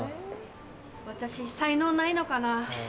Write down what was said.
私才能ないのかな。